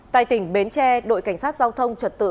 tại tỉnh bến tre đội cảnh sát giao thông trật tự